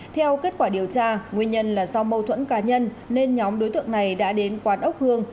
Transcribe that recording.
theo kết quả điều tra nguyên nhân là do mâu thuẫn cá nhân nên nhóm đối tượng này đã đến quán ốc hương